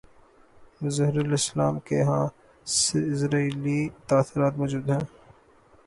مظہر الاسلام کے ہاں سرئیلی تاثرات موجود ہیں